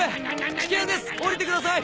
危険です下りてください！